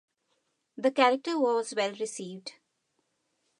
The character was well received.